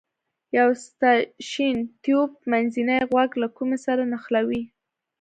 یو ستاشین تیوب منځنی غوږ له کومې سره نښلوي.